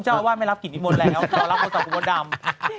เจ้าว่าไม่รับกินอีมนต์แล้วเรารับกินกินกินดำ